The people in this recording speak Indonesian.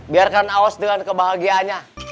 biarkan awos dengan kebahagiaan